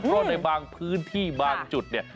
เพราะในบางพื้นที่บางจุดเนี่ย